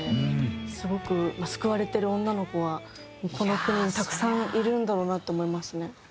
すごく救われてる女の子はこの国にたくさんいるんだろうなって思いますね。